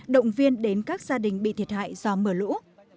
động viên đến các gia đình bị thiệt hại do mưa lũ